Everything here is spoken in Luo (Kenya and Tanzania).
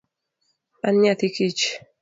An nyathi kich.